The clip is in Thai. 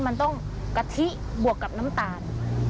มันต้องกะทิบวกกับน้ำตาล